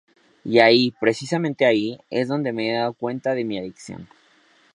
Y ahí, precisamente ahí, es donde me he dado cuenta de mi adicción.